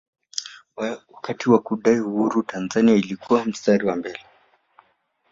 wakati wa kudai uhuru tanzania ilikuwa mstari wa mbele